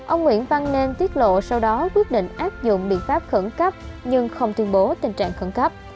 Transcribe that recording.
ông nguyễn văn nên tiết lộ sau đó quyết định áp dụng biện pháp khẩn cấp nhưng không tuyên bố tình trạng khẩn cấp